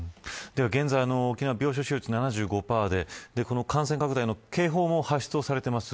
現在、沖縄病床使用率７５％で感染拡大の警報も発出されています。